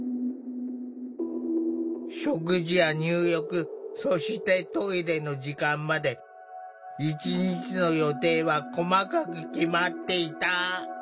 食事や入浴そしてトイレの時間まで一日の予定は細かく決まっていた。